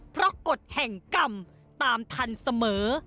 เพราะกฎแห่งกรรมตามทันเสมอ